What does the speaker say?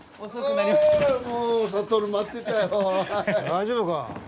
大丈夫か？